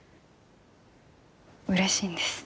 うれしいんです